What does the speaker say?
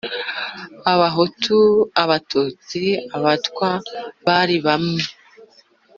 Abahutu, Abatutsi, Abatwa, bari bamwe